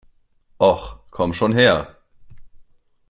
Och, komm schon her!